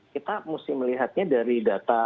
kita mesti melihatnya dari data